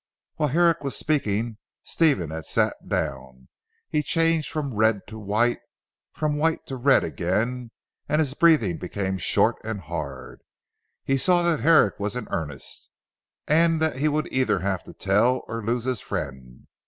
While Herrick was speaking Stephen had sat down. He changed from red to white from white to red again and his breathing became short and hard. He saw that Herrick was in earnest, and that he would either have to tell or lose his friend.